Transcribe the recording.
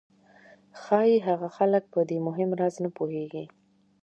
ښایي هغه خلک په دې مهم راز نه پوهېږي